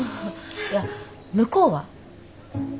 いや向こうは？え？